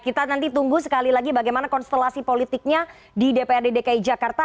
kita nanti tunggu sekali lagi bagaimana konstelasi politiknya di dprd dki jakarta